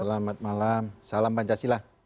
selamat malam salam pancasila